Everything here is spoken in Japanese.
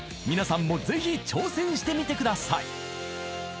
［皆さんもぜひ挑戦してみてください］